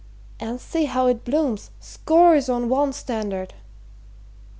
And see how it blooms, scores on one standard."